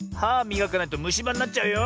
みがかないとむしばになっちゃうよ。